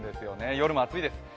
夜も暑いです。